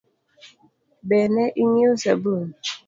Be ne ing'iewo sabun ?